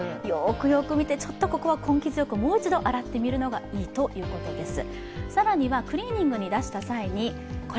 よく見て、ちょっとここは根気強くもう一度、洗ってみるのがいいということです。